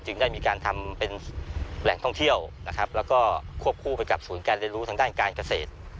ได้มีการทำเป็นแหล่งท่องเที่ยวนะครับแล้วก็ควบคู่ไปกับศูนย์การเรียนรู้ทางด้านการเกษตร